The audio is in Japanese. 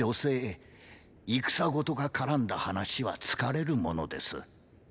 戦ごとがからんだ話は疲れるものです。